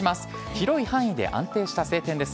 広い範囲で安定した晴天です。